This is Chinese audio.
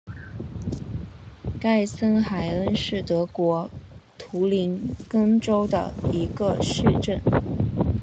盖森海恩是德国图林根州的一个市镇。